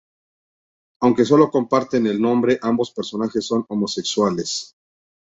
Aunque solo comparten el nombre ambos personajes son homosexuales.